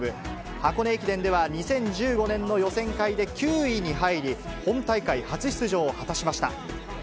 箱根駅伝では２０１５年の予選会で９位に入り、本大会初出場を果たしました。